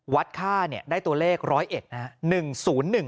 วัดค่าเนี่ยได้ตัวเลข๑๐๑นะฮะ